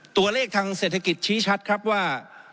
ตัวเลขทางเศรษฐกิจชี้ชัดครับว่า